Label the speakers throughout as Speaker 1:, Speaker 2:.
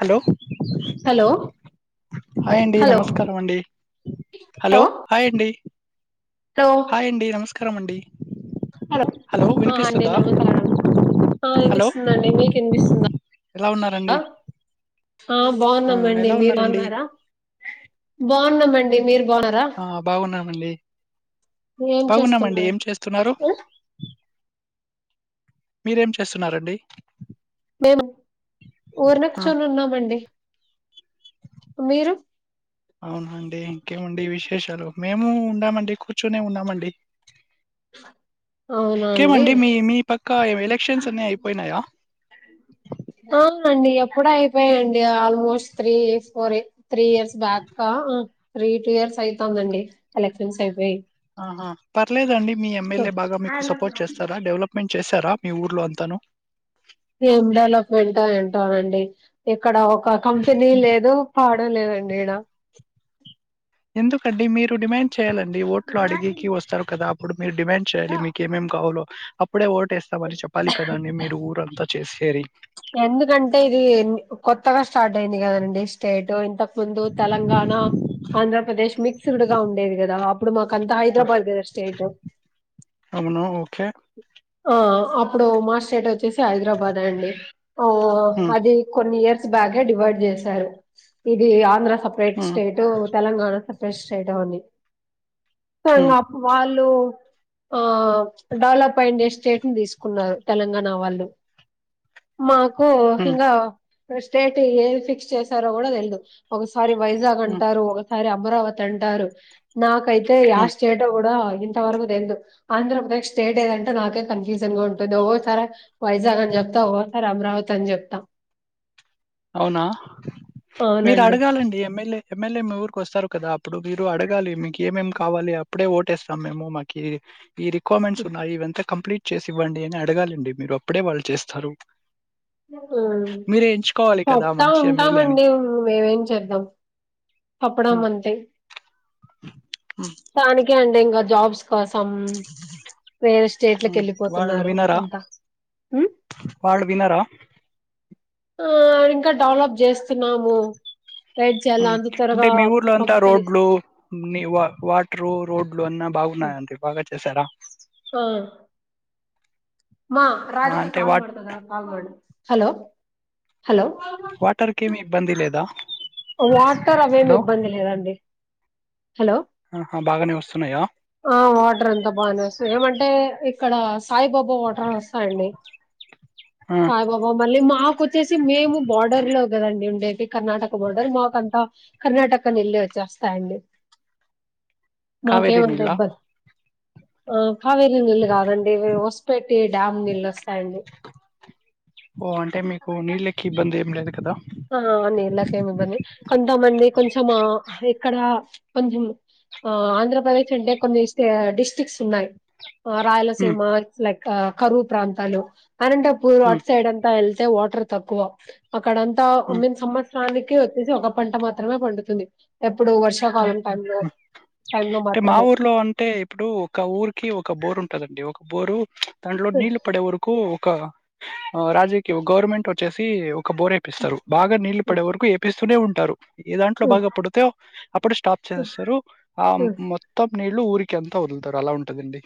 Speaker 1: Hello
Speaker 2: hello
Speaker 1: hi అండి
Speaker 2: hello
Speaker 1: నమస్కారం అండి హలో హాయ్ అండి
Speaker 2: హలో
Speaker 1: హాయ్ అండి నమస్ క్కరమండి
Speaker 2: హలో ఆ అండి నమస్కారం. ఆ
Speaker 1: హలో
Speaker 2: వినిపిస్తుందండి. మీకు వినిపిస్తుందా
Speaker 1: ఎలా ఉన్నారండి
Speaker 2: ఆ
Speaker 1: ఆ
Speaker 2: బాగున్నామండి.
Speaker 1: ఎలా
Speaker 2: మీరు
Speaker 1: ఉన్నారండి
Speaker 2: బాగున్నారా బాగున్నామండి మీరు. బాగున్నారా
Speaker 1: ఆ బాగున్నామండి.
Speaker 2: ఏం
Speaker 1: బాగున్నామండి.
Speaker 2: చేస్తున్నారు
Speaker 1: ఏం చేస్తున్నారు.
Speaker 2: ఉం?
Speaker 1: మీరేం చేస్తున్నారండి.
Speaker 2: మేము ఊరనే
Speaker 1: ఆ
Speaker 2: కూచొని ఉన్నామండి మీరు
Speaker 1: అవునండి ఇంకేమండి విశేషాలు. మేము ఉన్నామండి కూర్చునే ఉన్నామండి.
Speaker 2: అవునా అండి
Speaker 1: ఇంకేమండి మీ మీ పక్క ఎలక్షన్స్ అన్ని అయిపోయినాయా.
Speaker 2: ఆ అండి ఎప్పుడ అయిపోయిండి almost three four three years back three two years అయితుందండి ఎలక్షన్స్ అయిపోయి
Speaker 1: ఆహా పర్లేదా అండి మీ ఎమ్మెల్యే బాగా మీకు సపోర్ట్ చేస్తారా డెవలప్మెంట్ చేశారా మీ ఊర్లో అంతాను
Speaker 2: ఏం డెవలప్మెంటో ఏంటోనండి ఎప్ ఇక్కడ ఒక కంపెనీ లేదు పాడ్ ఎండ లేదండి ఇడా
Speaker 1: ఎందుకండి మీరు డిమాండ్ చేయాలండి ఓట్లు అడిగకి వస్తారు కదా అప్పుడు మీరు డిమాండ్ చేయాలి మీకేమేం కావాలో అప్ ఇప్పుడే ఓటేస్తామని చెప్పాలి కదండి మీరు ఊరు అంతా చే సేరి
Speaker 2: ఎందుకంటే ఇది కొత్తగా స్టా స్టార్ట్ అయింది కదాండి స్టేట్ ఇంతకు ముందు తలంగాణ ఆంధ్రప్రదేశ్ మిక్స్డ్ గా ఉండేది కదా ఇప్పుడు మాకు అంతా
Speaker 1: ఆహ్,
Speaker 2: హైదరాబాద్ కదా స్టేట్
Speaker 1: అవును. ఓకే.
Speaker 2: ఆ అప్పుడు మా స్టేట్ వచ్చేసి హైదరాబాద్ అండి ఓ
Speaker 1: హ్మ్.
Speaker 2: అది కొన్ని ఇయర్ బ్యాగ డివైడ్ చేశారు ఇది ఆంధ్ర సపరేట్
Speaker 1: హ్మ్.
Speaker 2: స్టేట్ తెలంగాణ సపరేట్ స్టేట్ అని
Speaker 1: హ్మ్.
Speaker 2: సంగాప్పవల్ డెవలప్ అయ్యిండె స్టేట్ ని తీసుకున్నారు తెలంగాణ వాళ్ళు మాక్ ఓ
Speaker 1: హ్మ్.
Speaker 2: హింగా స్టేట్ ఏది ఫిక్స్ చేసారో కూడా తెల్దు ఒక సా సారి వైజాగ్
Speaker 1: హ్మ్.
Speaker 2: అంటారు ఒకసారి అప్ అమరావతి అంటారు నాకు అయితే
Speaker 1: హ్మ్.
Speaker 2: యాస్ చేటో కూడా ఇంత వరకు తెల్దు ఆంధ్రప్రదేశ్ స్టేట్ ఏదంటె నాకే కన్ఫ్యూజన్ గా ఉంటుంది ఒకోసారి అ వైజాగ్ అని చెప్తా ఓ రామరావతి అని చెప్తాం
Speaker 1: అవునా మీరు
Speaker 2: అవునండి
Speaker 1: అడగాలండి ఎమ్మెల్యే ఎమ్మెల్యే మీ ఊరికి వస్తారు కదా ఇప్పుడు మీరు అడగాలి మీకేమేం మ్ కావాలి అప్పుడే ఓటేస్తాం మేము మాకి ఈ రిక్వర్మెట్స్ ఉన్నాయి ఇవింత కంప్లీట్ చేసి ఇవ్వండి అని అడగాలండి మీరు అప్పుడే వాళ్ళు చేస్తారు
Speaker 2: హు హుమ్
Speaker 1: మీరే ఎంచుకోవాలి కదా!
Speaker 2: పపుతా
Speaker 1: మంచి ఎమ్మెల్యేని.
Speaker 2: ఉంటామండి మేమేం చేద్దాం
Speaker 1: ఆ!
Speaker 2: పంపడం అంతే
Speaker 1: హ్మ్.
Speaker 2: తానికే అం డి ఇంగ జాబ్స్ కోసం వేరే స్టేట్లకి
Speaker 1: హ్మ్. వాళ్ళు
Speaker 2: వెళ్ళిపోతున్నారు
Speaker 1: వినరా?
Speaker 2: ఎంత హు
Speaker 1: వాళ్ళు వినరా
Speaker 2: ఆ డింక డెవలప్ చేస్తున్నాము గైడ్
Speaker 1: హు
Speaker 2: చేయాలా అంత
Speaker 1: అంటే
Speaker 2: త్వరగా
Speaker 1: మీ ఊర్లో అంతా
Speaker 2: కంపెనీ
Speaker 1: రోడ్లు మీ వాటరు రోడ్లు అన్నా బాగున్నాయా అండి బాగా చేసారా
Speaker 2: ఆ మా
Speaker 1: ఆ,
Speaker 2: రాధక
Speaker 1: అంటే
Speaker 2: కాల్
Speaker 1: వా
Speaker 2: మడతదా కాల్ మడి హలో హలో
Speaker 1: వాటర్ కి ఏమి ఇబ్బంది లేదా
Speaker 2: వాటర్ అవేమి
Speaker 1: హలో
Speaker 2: ఇబ్బంది లేదండి హలో
Speaker 1: ఆహా బాగానే వస్తున్నాయా
Speaker 2: ఆ వాటర్ అంత బానే వస్తుంది ఏమంటే క్కడ స్ సాయిబాబా వాటర్ వస్తాయంండి
Speaker 1: ఆ
Speaker 2: సాయి బాబా మళ్ళీ మాకు వచ్చేసి మేము బోర్డర్ లో కదండి ఉండే ఈ కర్ణటక్ బడారు మాకంతా కర్ణాటక నీళ్ళే వచ్చేస్తాయండి మాకేం
Speaker 1: కావేరి
Speaker 2: అంత
Speaker 1: నీళ్ళ
Speaker 2: ఇబ్బంద్ ఆ కావేరీ నీల్ు కాదండి వే వస్పేట్ టి డాామ్ నీళ్ళు స్ స్తాయండి
Speaker 1: టే మీకు నీళ్ళకు ఇబ్బంది ఏం లేదు కదా
Speaker 2: ఆ నీళ్ల కేమి ఇబ్బంది కొంతమంది కొంచెం ఆ ఇక్కడ కొంచెం ఆ ఆంధ్రప్రదేశ్ అంటే కొన్ని డిస్ట్రిక్ట్స్ ఉన్నాయి ఆ
Speaker 1: ఉమ్
Speaker 2: రాయలసీమ లైక్ కా కరువు ప్రాంతాలు అనంతపూర్
Speaker 1: ఉమ్
Speaker 2: అటు సైడ్ అంతా ఎల్ టే వాటర్ తక్కువ అక్కడం తా
Speaker 1: ఉమ్
Speaker 2: ఉమెన్ సమ్మర్స్ దానికి వచ్చేసి ఒక పంట మాత్రమే పండుతుంది ఎప్పుడు వర్షాకాలం టైమ్ లో టైమ్ లో
Speaker 1: అంటే మా
Speaker 2: మాత్రమే
Speaker 1: ఊర్లో అంటే ఇప్పుడు ఒక ఊరికి ఒక బోర్ ఉంటదండి ఒక బోరు దాంట్లో
Speaker 2: హ్మ్.
Speaker 1: నీళ్లు పడే వరకు ఒక ఆ రాజకీ గవర్నమెంట్ వచ్చేసి ఒక బోరేపిస్తరు బాగా నీళ్లు పడే వరకు ఏపిస్త స్తూనే ఉంటారు ఏ దాంట్లో
Speaker 2: హ్మ్.
Speaker 1: బాగా పడతయొ అప్పుడు స్టాప్
Speaker 2: హ్మ్.
Speaker 1: చేసస్తారు ఆ
Speaker 2: హ్మ్. హ్మ్.
Speaker 1: మొత్తం నీళ్ళు ఊరికి అంతా వదులుతారు అలా ఉంటదండి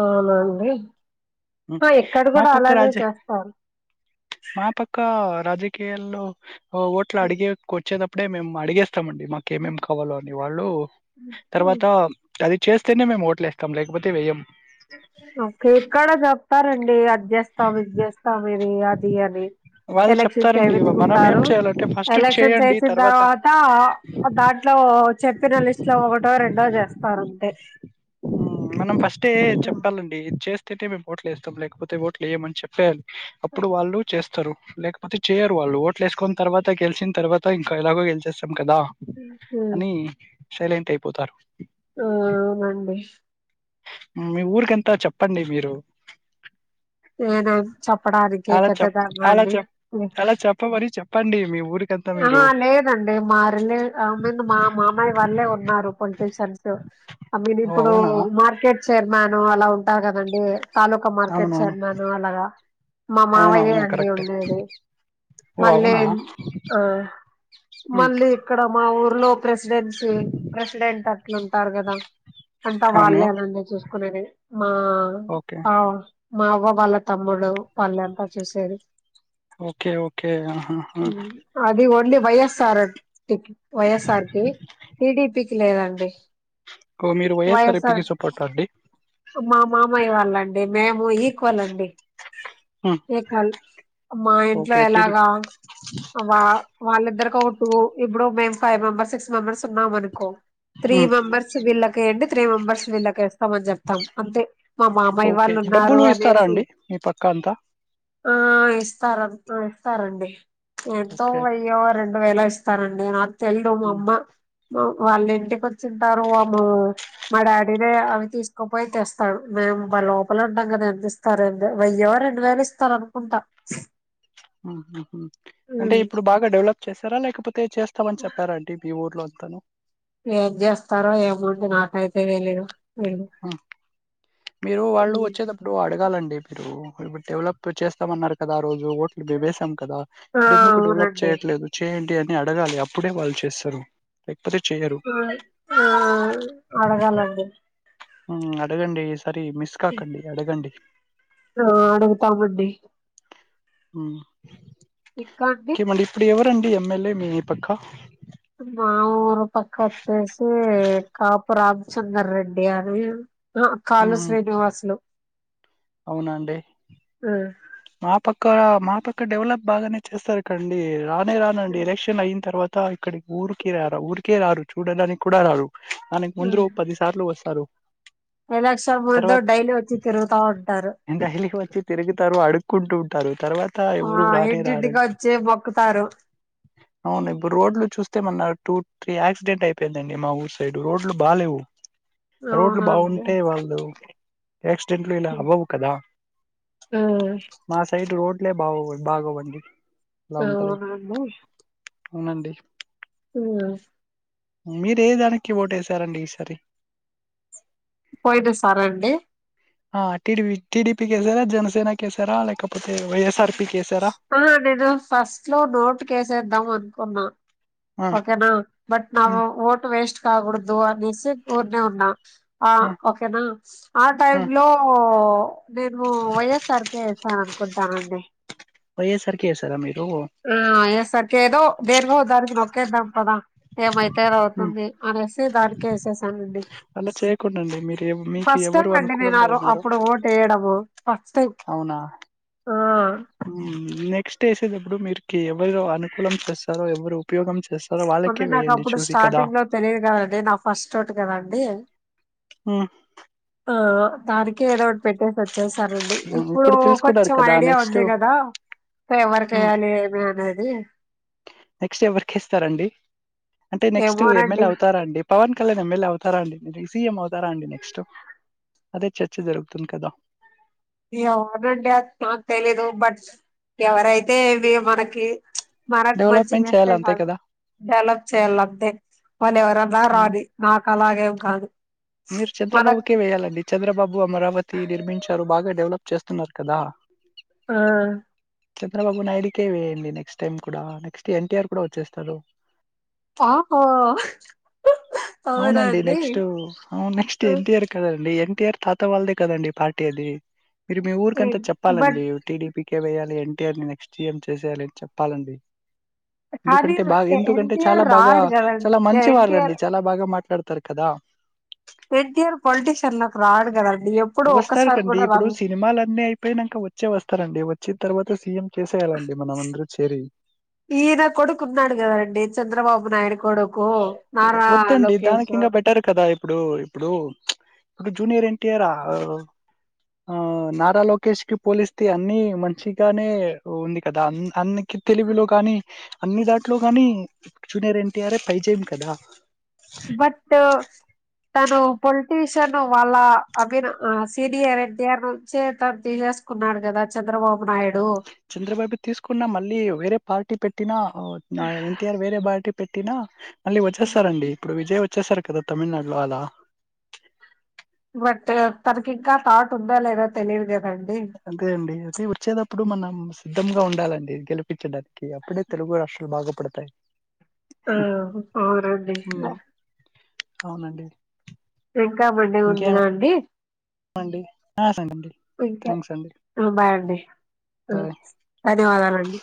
Speaker 2: అవునండి
Speaker 1: హ్మ్.
Speaker 2: హ ఇక్కడ
Speaker 1: మా
Speaker 2: కూడా
Speaker 1: పక్క
Speaker 2: అలానే
Speaker 1: రాజ
Speaker 2: చేస్తారు
Speaker 1: మా పక్క రాజకీయాల్లో ఓ ఓట్ల అడిగేకొచ్చేదపు అప్పుడే మేము అడిగేస్తమండి మాకు కేమేం కేమేం కావాలో అని వాళ్ళు తర్వాత అది చేస్తేనే మేము ఓట్లేస్తాం లేకపోతే వెయ్యం
Speaker 2: ఓకే ఇక్కడ చెప్తారండి అదిజేస్తం ఇదిజేస్తామ్ ఇది అది అని
Speaker 1: వాళ్ళు
Speaker 2: ఎలక్షన్
Speaker 1: చెప్తారండి మనం ఏం
Speaker 2: వేయిచుకుంటారు
Speaker 1: చేయాలంటే ఫస్ట్
Speaker 2: ఎలక్షన్స్
Speaker 1: చేయండి
Speaker 2: వేసిన తర్వాత దాంట్లో చెప్పిన లిస్ట్ లో ఒకటో రెండో చేస్తారుంతే
Speaker 1: ఉమ్, మనం ఫస్టే చెప్పాలండి చేస్త అంటే మేం ఓట్లు వేస్తాం లేకపోతే ఓట్లు వేయమని చెప్పేయాలి ఇప్పుడు వాళ్ళు చేస్త స్తారు లేకపోతే చేయరు వాళ్ళు ఓట్లు వేసుకుని తర్వాత గెలిచిన తర్వాత ఇంకా ఎలాగొ గెలిచేసాం కదా అని సైలెంట్ అయిపోతారు
Speaker 2: అవునండి
Speaker 1: మీ ఊరికంత చెప్పండి మీరు
Speaker 2: నేనేం చెప్పడానికి
Speaker 1: అలా చెప్
Speaker 2: పెద్దదాన్న
Speaker 1: అలా
Speaker 2: అండి
Speaker 1: చెప్ అలా చెప్పమని చెప్పండి మీ ఊరి
Speaker 2: అహ లేదండి మాారిలే ఐ మీన్ మా మామాయి వాళ్ళే ఉన్నారు పొలిటీషియన్స్ ఐ మీన్
Speaker 1: ఓ
Speaker 2: ఇప్పుడు
Speaker 1: అవునా
Speaker 2: మార్కెట్ చైర్మాను అలా ఉంటారు కదండి తాలూకా మార్కెట్
Speaker 1: అవునవును
Speaker 2: చైర్మను అలాగా మా మావయ్యే
Speaker 1: అవునవును
Speaker 2: అండి
Speaker 1: కరెక్టే
Speaker 2: ఉండేది
Speaker 1: ఓ
Speaker 2: మళ్ళీ
Speaker 1: అవునా
Speaker 2: ఆ
Speaker 1: ఉమ్,
Speaker 2: మళ్ళీ ఇక్కడ మా ఊరు లో ప్రెసిడెన్సీ ప్రెసిడెంట్ అట్లుంటారు కదా అంతా
Speaker 1: అవును
Speaker 2: వాళ్ళనంే చూసుకునేది మా
Speaker 1: ఓకే
Speaker 2: మా అవ్వ వాళ్ళ తమ్ముడు వాళ్ళు అంతా చూసారు
Speaker 1: ఓకే ఓకే ఆహా హా
Speaker 2: ఓన్లీ వైస్ఆర్ వైఎస్ఆర్ కి టిడిపి లేదండి
Speaker 1: మీరు వైఎస్ఆర్ పిగి సపోట్ అండి
Speaker 2: మా మామయ్య వాళ్ళండి మేము ఈక్వల్ అండి
Speaker 1: ఉమ్,
Speaker 2: ఈక్వల్ మా ఇంట్లో
Speaker 1: ఓకే టీడీ
Speaker 2: ఎలాగా వా వాళ్ళిద్దరు ఒకూ ఇప్పుడు మేం ఫైవ్ మెంబర్స్ సిక్స్ మెంబర్స్ ఉన్నాం అనుకో త్రీ
Speaker 1: ఉమ్,
Speaker 2: మెంబర్స్ వాళ్ళకివేయండి త్రీ మెంబర్స్ వేళ్ళకి వేస్తాం చెప్పి ం అంతే మా మామయ్య
Speaker 1: ఓకే
Speaker 2: వాళ్ళు ఉన్నారు
Speaker 1: డబ్బులు ఇస్తారా
Speaker 2: అనేసి
Speaker 1: అండి మీ పక్క అంతా
Speaker 2: ఆ ఇస్తార ఆ ఇస్తార్ండి ఎంతో
Speaker 1: ఓకే
Speaker 2: వయ్య రెం ఏలా ఇస్తారండి నా తేలేదు
Speaker 1: ఉమ్,
Speaker 2: అమ్మమ్మ వాళ్ళ ఇంటికి వచ్చింటారు మా డాడీనే అవి తీసు తపోయితే ఇస్తాడు మేము లోపల అంటాం కదా ఎంత ఇస్తారు ఏందో వేయో రెండు వేలు ఇస్తారు అనుకుంటా
Speaker 1: అంటే
Speaker 2: ఉమ్,
Speaker 1: ఇప్పుడు బాగా డెవలప్ చేసారా లేకపోతే అతే చేస్తామని చెప్పారండి మీ ఊర్లో తను
Speaker 2: ఏం చేస్తారో ఏమో అండి నాకైతే తెలీదు వీళ్ళు
Speaker 1: మీరు వాళ్ళు
Speaker 2: ఆ
Speaker 1: వచ్చేటప్పుడు అడగాలండి మీరు ఇప్పుడు డెవలప్ చేస్తామన్నారు కదా రోజు ఓట్లు మేమేసాం కదా ఇప్పుడు ఎందుకు డెవలప్
Speaker 2: అవునండి
Speaker 1: చేయట్లేదు చేయండి అని అడగాలి అప్పుడే వాళ్ళు చేస్తారు లేకపోతే చేయరు
Speaker 2: ఆ ఆ అడగాలండి
Speaker 1: అడగండి సర మిస్ కాకండి అడగండి
Speaker 2: ఆ అడుగుతామండి
Speaker 1: మ్మ్
Speaker 2: ఇంకా అండి
Speaker 1: ఎవరు రండి ఎంఎల్ఏ మీ పక్కా
Speaker 2: మా ఊరు పక్క వచ్చేసి కాపు రామచందర్ రెడ్డి అని లుకాళ్లు
Speaker 1: ఉమ్,
Speaker 2: శ్రీనివాసులు
Speaker 1: అవునా అండి
Speaker 2: ఆ,
Speaker 1: మా పక్క మా ఎక్కడ డెవలప్ బాగానే చేస్తారు కండి రా రానండి ఎలక్షన్ అయిన తర్వాత అ ఇక్కడికి ఊరికి రారా ఊరికే రారు చూడడానికి కూడా రారు ఆనకు
Speaker 2: ఆ.
Speaker 1: ముందురు పదిసార్లు వస్తారు
Speaker 2: ఎలక్షన్ ముందు
Speaker 1: తర్వాత
Speaker 2: డైలీ వచ్చి తిరుగుతా ఉంటారు
Speaker 1: అందరూ అడుక్కుంటుంటారు
Speaker 2: ఆ ఇంటి ఇంటికి గా వచ్చి మొక్కుతారు
Speaker 1: అవును ఇప్పుడు రోడ్లు చూస్తే మన్న టూ త్రీ యాక్సిడెంట్ అయిపోయిందండి మా ఊరు సైడ్ రోడ్లు బాలేవు రోడ్లు
Speaker 2: అవునండి
Speaker 1: బావుంటే వాళ్ళు యాక్సిడెంట్లు ఇలా అవ్వవు కదా
Speaker 2: ఆ
Speaker 1: మా రోడ్లే బాగో బాగోవండి అలా ఉంటది.
Speaker 2: అవునండి
Speaker 1: అవునండి
Speaker 2: ఉ
Speaker 1: మీరు ఏ దానికి ఓటేసారండి ఈసారి
Speaker 2: పోయిన సారండి
Speaker 1: ఆ టిడిపి టి డి పికి కేసర జనసేన కేసరా లేక
Speaker 2: ఆ నేను ఫస్ట్ లో నోటు కేసేద్దాం అనుకున్నా
Speaker 1: ఆ
Speaker 2: ఓకేనా బట్ నా
Speaker 1: ఉమ్
Speaker 2: ఓట్ వేస్ట్ కాగూడదు అనేసి రఉన్నా
Speaker 1: ఆ
Speaker 2: ఓకేనా ఆ టైం లో నేను వైఎస్ఆర్ కే ఏసాను కుంటానండి
Speaker 1: వైయస్ ర్ కే ఎసరా మీరు
Speaker 2: ఆ ఎస్ ఆర్ కో ఎదోదేనికో దానికో నోక్ కేదం మ్ పదా ఏమైతే
Speaker 1: ఉమ్
Speaker 2: అవుతుంది అనేసి దాక వేసేసానండి
Speaker 1: అలా చేయకుండండి మీరు ఎవ్ మీకు
Speaker 2: ఫస్ట్ టైం
Speaker 1: ఎవరు
Speaker 2: అండి
Speaker 1: అనుకూలంగా
Speaker 2: నేనుారు
Speaker 1: ఉన్నారో
Speaker 2: అప్పుడు ఓటు వేయడము ఫస్ట్ టైం
Speaker 1: అవునా నేక్ట్ ఏసేటప్పుడు మీరు కీ ఎవరు అనుకూలం చేస్తారో ఎవరు ఉపయోగం చేస్తారు వాళ్ళకి
Speaker 2: అంటే నాకు అప్పుడు స్టార్టింగ్ లో తెలియదు కదండి, నా ఫస్ట్ ఓటు కదండి
Speaker 1: ఉ
Speaker 2: ఆ తారకె ఏదో ఒకటి పెట్టే స చ్చసానండి ఇప్పుడు
Speaker 1: తెలుసుకున్నారు
Speaker 2: కొంచెం
Speaker 1: కదా
Speaker 2: ఐడియా
Speaker 1: నెక్స్ట్
Speaker 2: ఉంది కదా, ఇక ఎవరికి
Speaker 1: ఉమ్
Speaker 2: వేయ్యాలి ఏమి అనేది
Speaker 1: నెక్స్ట్ ఎవరికేస్తారండి అంటే నెక్స్ట్ ఎమ్మెలే
Speaker 2: ఏమోనండి
Speaker 1: అవుతారండి పవన్ కల్ న మమెల్ అవుతారా అండి సిఎం అవతారా అండి నెక్స్ట్, అదే చర్చ జరుగుతుంది కదా
Speaker 2: ఎవమోనండి అ నాకు తెలీదు బట్ ఎవరైతేవి మనకి మరకు మంచి
Speaker 1: డెవలప్మెంట్
Speaker 2: చేస్తే
Speaker 1: చేయాలి అంతే
Speaker 2: కాదు
Speaker 1: కదా
Speaker 2: డెవలప్ చేయాలి అంతే వాళ్ళు ఎవరన్నా
Speaker 1: హ్మ్.
Speaker 2: రానీ నాకు అలాగేం కాదు
Speaker 1: మీరు చంద్రబాబుకే
Speaker 2: మనకి
Speaker 1: వేయాలండి చంద్రబాబు అమరావతి నిర్మించారు బాగా డెవలప్ చేస్తున్నారు కదా
Speaker 2: ఆ
Speaker 1: చంద్రబాబు నాయుడుకే వేయండి నెక్స్ట్ టైం కూడా నెక్స్ట్ ఎన్టీఆర్ కూడా వచ్చేస్తారు
Speaker 2: ఆహో అవుర అండి
Speaker 1: ఉ next N T are [unintelligible] NTR తాత వాళ్లదే కదండీ పార్టీ అది మీరు మీ ఊరికంతా
Speaker 2: బట్
Speaker 1: చెప్పాలండి టీ డి పి కె వేయాలి అంటే నెక్స్ట్ ఏం చేసేయాలి చెప్పాలండి
Speaker 2: కానీ
Speaker 1: ఎందుకంటే బాగా ఎందుకంటే
Speaker 2: ఎన్టీఆర్
Speaker 1: చాలా బాగా
Speaker 2: రాడు
Speaker 1: చాలా
Speaker 2: కదండి
Speaker 1: మంచివారుండి
Speaker 2: ఎన్టీఆర్
Speaker 1: చాలా బాగా మాట్లాడుతా తర్కదా
Speaker 2: పెద్దివాల్ పొలిటిటీషియన్లోకి రార్ కదం
Speaker 1: వస్తారు కండి ఇప్పుడు సినిమాలున్నీ అయిపోయినాక వచ్చే వస్తారండి చిత్రవత సీఎం చేసేయాలండి మనం అందరూ చేరి.
Speaker 2: ఈయన కొడుకున్నాడు కదండీ చంద్రబాబు నాయుడు పడు
Speaker 1: వద్దండి దాని కింద బెటర్ కదా ఇప్పుడు ఇప్పుడు ఇప్పుడు జూనియర్ ఏం తేరా ఆ ఆ నారా లోకేష్ కి పోలిస్తే అన్ని మంచిగానే ఉంది కదా, ఆ అనీ తెలుగులో గానీ అన్ని దాట్లు గానీ జూనియర్ ఎన్టీఆర్ హే పరిచయం. కదా
Speaker 2: బట్ తను పొలిటీషియన్ వాళ్ళ అభిన అ సీనియర్ ఎన్టీఆర్ నుంచి తను తీసేసుకున్నారు కదా చంద్రబాబు నాయుడు
Speaker 1: చంద్రబాబు తీసుకున్నా మళ్ళీ వేరే పార్టీ పే తిన్న అవును నాయ వేరే పార్టీ పెట్టిన మళ్ళీ వచ్చేసారండి ఇప్పుడు విజయ్ వచ్ ఇచ్చేశారు కదా తమిళనాడులో అలా
Speaker 2: బట్ తనకి ఇంకా తాట్ ఉందా లేదా తెలీద్ గా
Speaker 1: అదే అండి అది వచ్చేటప్పుడు మనం సిద్ధంగా ఉండ ఉండాలండి గెలిపిచ్చడానికి అప్పుడే తెలుగు రాష్ట్రాలు బాగుపడతాయి
Speaker 2: ఆ అవునండి
Speaker 1: ఉమ్, అవునండి
Speaker 2: ఇంకా మండే ఉందిగా అండి
Speaker 1: ప్పండి ఆ సంగండి
Speaker 2: ఇంకా ఆ బాయ అండి
Speaker 1: బాయ్
Speaker 2: ధన్యవాదాల అండి